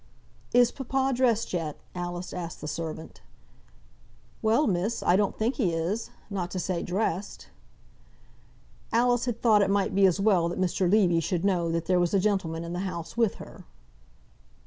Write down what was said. "Is papa dressed yet?" Alice asked the servant. "Well, miss, I don't think he is, not to say dressed." Alice had thought it might be as well that Mr. Levy should know that there was a gentleman in the house with her.